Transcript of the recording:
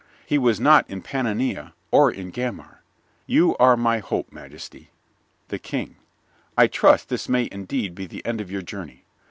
He was not in Pannonia or in Gamar. You are my hope, majesty. THE KING I trust this may indeed be the end of your journey.